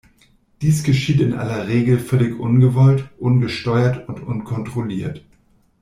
Dies geschieht in aller Regel völlig ungewollt, ungesteuert und unkontrolliert.